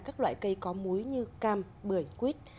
các loại cây có muối như cam bưởi quýt